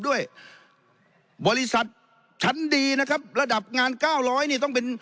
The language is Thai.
ด้วยบริษัทชั้นดีนะครับระดับงานเก้าร้อยนี่ต้องเป็น